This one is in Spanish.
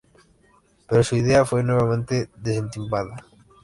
Pero su idea fue nuevamente desestimada.